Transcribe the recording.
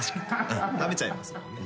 食べちゃいますもんね。